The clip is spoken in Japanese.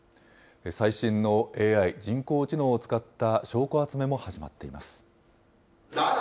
最新のＡＩ・人工知能を使った証拠集めも始まっています。